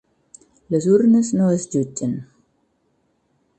Les urnes no es jutgen.